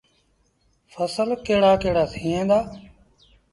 ڦسل ڪهڙآ ڪهڙآ ٿئيٚݩ دآ۔